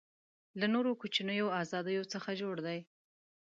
له نورو کوچنیو آزادیو څخه جوړ دی.